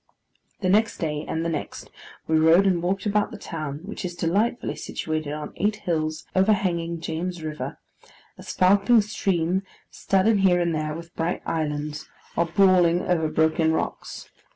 The next day, and the next, we rode and walked about the town, which is delightfully situated on eight hills, overhanging James River; a sparkling stream, studded here and there with bright islands, or brawling over broken rocks.